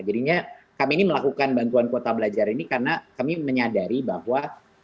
jadinya kami ini melakukan bantuan kuota belajar ini karena kami menyadari bahwa